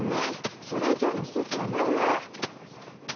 それ以上の事実はないわ。